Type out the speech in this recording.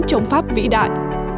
chống pháp vĩ đại